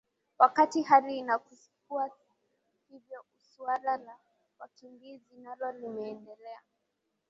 wakati hali inakuwa hivyo suala la wakimbizi nalo limeendelea